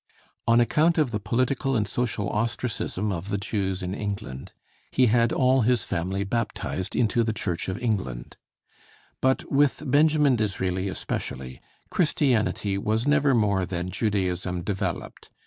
On account of the political and social ostracism of the Jews in England, he had all his family baptized into the Church of England; but with Benjamin Disraeli especially, Christianity was never more than Judaism developed.